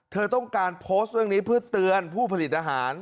เธอต้องการโพสต์เรื่องนี้เพื่อเตือนผู้ผลิตอาหาร